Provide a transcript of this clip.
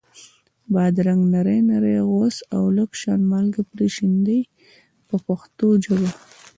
بادرنګ نري نري غوڅ او لږ شان مالګه پرې شیندئ په پښتو ژبه.